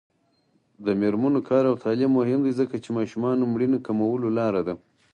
د میرمنو کار او تعلیم مهم دی ځکه چې ماشومانو مړینې کمولو لاره ده.